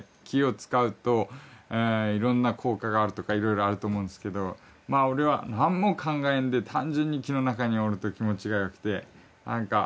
木を使うといろんな効果があるとかいろいろあると思うんですけど俺はなんも考えんで単純に木の中におると気持ちが良くて。